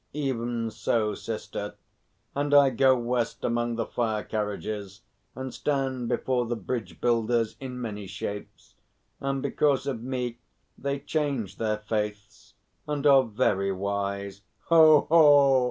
"Even so, sister; and I go West among the fire carriages, and stand before the bridge builders in many shapes, and because of me they change their faiths and are very wise. Ho! ho!